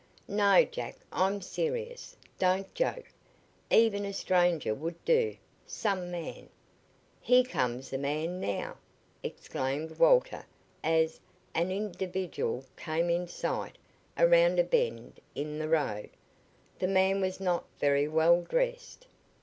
"No, Jack, I'm serious. Don't joke. Even a stranger would do. Some man " "Here comes a man now!" exclaimed Walter as an individual came in sight around a bend in the road. The man was not very well dressed.